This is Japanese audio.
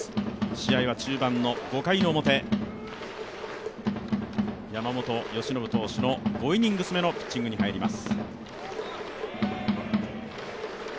試合は中盤の５回表山本由伸投手の５イニングス目のピッチングに入ります。